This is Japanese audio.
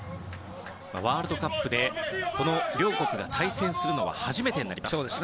ワールドカップでこの両国が対戦するのは初めてになります。